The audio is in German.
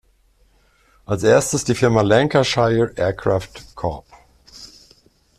Als erstes die Firma "Lancashire Aircraft Corp.